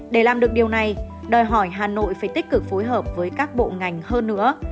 để làm được điều này đòi hỏi hà nội phải tích cực phối hợp với các bộ ngành hơn nữa